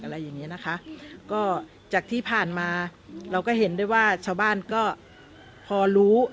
อะไรอย่างเงี้ยนะคะก็จากที่ผ่านมาเราก็เห็นได้ว่าชาวบ้านก็พอรู้